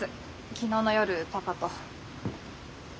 昨日の夜パパと。